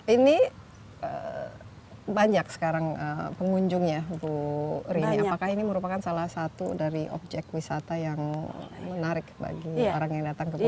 ini banyak sekarang pengunjung ya bu rini apakah ini merupakan salah satu dari objek wisata yang menarik bagi orang yang datang ke bali